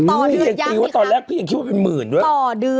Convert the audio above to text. นี่พี่ยังตีว่าตอนแรกพี่ยังคิดว่าเป็นหมื่นด้วยต่อเดือน